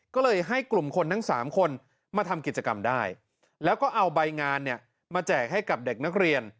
ก็เลยให้กลุ่มคนทั้ง๓คนมาทำกิจกรรมได้แล้วก็เอาใบงานเนี่ยมาแจกให้กับเด็กนักเรียน